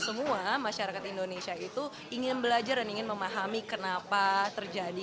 semua masyarakat indonesia itu ingin belajar dan ingin memahami kenapa terjadi